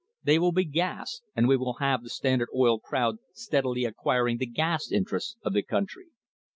They will be gas, and we have the Standard Oil crowd steadily acquiring the gas interests of the country.